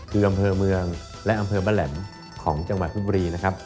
คืออำเภอเมืองและอำเภอบ้านแหลมของจังหวัดบุรีนะครับ